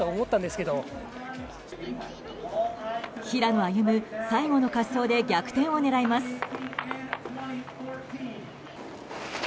平野歩夢、最後の滑走で逆転を狙います。